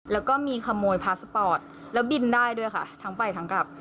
แล้วก็มีขโมยพาสปอร์ตแล้วบินได้ด้วยค่ะทั้งไปทั้งกลับ